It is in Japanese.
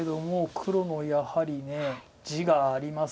黒もやはり地があります。